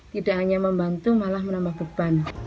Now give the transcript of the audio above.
tidak hanya membantu malah menambah beban